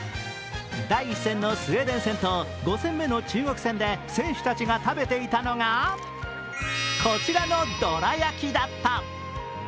第１戦のスウェーデン戦と５戦の中国戦で選手たちが食べていたのはこちらのどら焼だった。